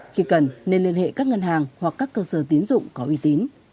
khi cần nên liên hệ các ngân hàng hoặc các cơ sở tiến dụng có uy tín